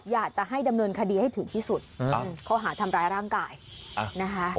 อยากจะให้ดำเนินคดีให้ถึงที่สุดข้อหาทำร้ายร่างกายนะคะ